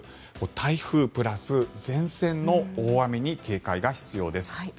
台風プラス前線の大雨に警戒が必要です。